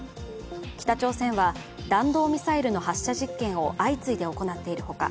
北朝鮮は弾道ミサイルの発射実験を相次いで行っているほか、